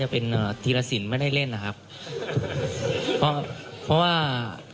เพราะว่า